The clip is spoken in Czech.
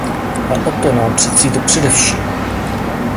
A o to nám přeci jde především.